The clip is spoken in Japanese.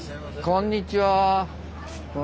こんにちは。